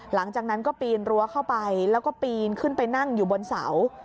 หลังจากนั้นก็ปีนรั้วเข้าไปแล้วก็ปีนขึ้นไปนั่งอยู่บนเสา